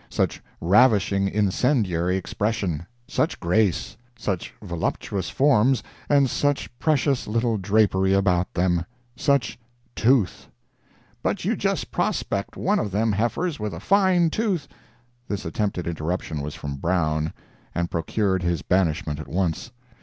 such ravishing, incendiary expression! such grace! such voluptuous forms, and such precious little drapery about them! such—tooth"— "But you just prospect one of them heifers with a fine tooth"— This attempted interruption was from Brown, and procured his banishment at once.